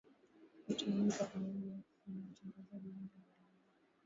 kutumika pamoja kuna watangazaji wengi wanalia